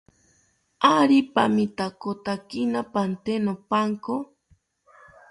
¿Ari pamitakotakina pante nopanko?